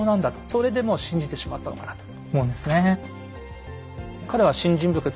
それでもう信じてしまったのかなと思うんですね。